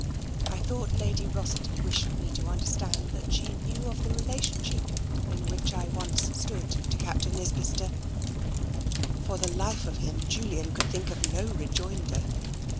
" I thought Lady Rossiter wished me to understand that she knew of the relationship in which I once stood to Captain Isbister/' For the life of him, Julian could think of no re joinder.